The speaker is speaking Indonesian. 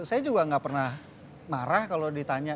saya juga nggak pernah marah kalau ditanya